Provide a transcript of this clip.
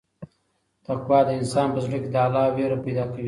تقوا د انسان په زړه کې د الله وېره پیدا کوي.